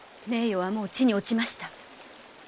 名誉はもう地に堕ちました。